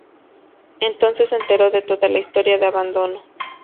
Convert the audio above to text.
Entonces se enteró de toda la historia de abandono.